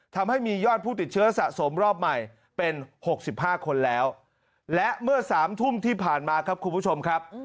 ทำให้มียอดผู้ติดเชื้อสะสมรอบใหม่เป็น๖๕คนแล้วและเมื่อ๓ทุ่มที่ผ่านมาครับคุณผู้ชมครับ